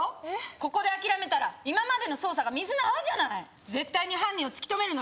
ここで諦めたら今までの捜査が水の泡じゃない絶対に犯人を突き止めるのよ